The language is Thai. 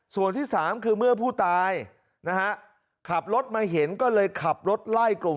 ส่วนที่สามคือเมื่อผู้ตายนะฮะขับรถมาเห็นก็เลยขับรถไล่กลุ่ม